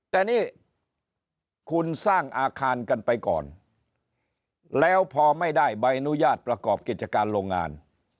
แต่นี่คุณสร้างอาคารกันไปก่อนแล้วพอไม่ได้ใบอนุญาตประกอบกิจการโรงงาน